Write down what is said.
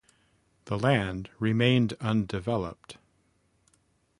The land remained undeveloped.